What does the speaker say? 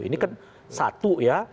ini kan satu ya